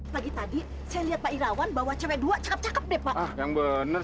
pagi tadi saya lihat apa ii rawan bawa cewek dua cakep cakep yang bener